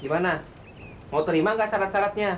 gimana mau terima nggak syarat syaratnya